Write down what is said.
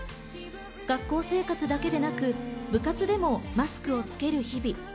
学校生活だけでなく、部活でもマスクをつける日々。